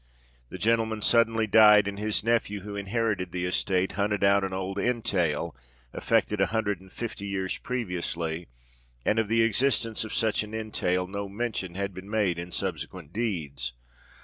The gentleman suddenly died; and his nephew, who inherited the estate, hunted out an old entail, effected a hundred and fifty years previously, and of the existence of such an entail no mention had been made in subsequent deeds.